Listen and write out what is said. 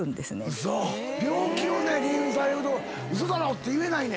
ウソ⁉病気を理由にされるとウソだろ！って言えないねん。